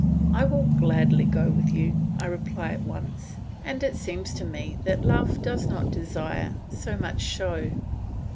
"I will gladly go with you," I reply at once, "and it seems to me that love does not desire so much show."